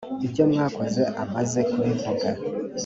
ibyo mwakoze amaze kubivuga.